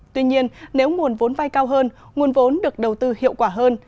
tuy nhiên nếu nguồn vốn vay cao hơn nguồn vốn được đầu tư hiệu quả hơn